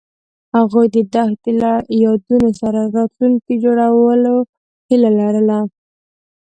هغوی د دښته له یادونو سره راتلونکی جوړولو هیله لرله.